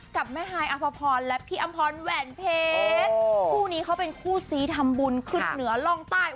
กับแม่ฮายอภพรและพี่อำพรแหวนเพชรคู่นี้เขาเป็นคู่ซีทำบุญขึ้นเหนือร่องใต้